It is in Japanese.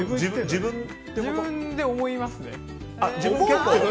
自分で思いますね。